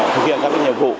thực hiện các nhiệm vụ